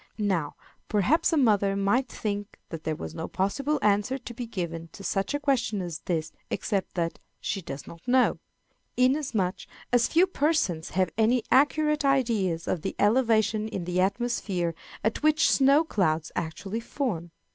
Now, perhaps, a mother might think that there was no possible answer to be given to such a question as this except that "she does not know;" inasmuch as few persons have any accurate ideas of the elevation in the atmosphere at which snow clouds usually form.